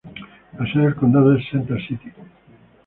La sede de condado es Center City.